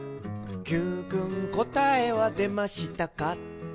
「Ｑくんこたえはでましたか？」